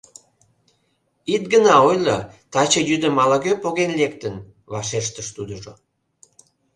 — Ит гына ойло, таче йӱдым ала-кӧ поген лектын, — вашештыш тудыжо.